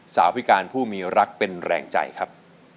พิการผู้มีรักเป็นแรงใจครับ